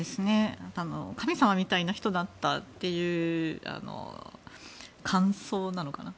神様みたいな人だったという感想なのかな。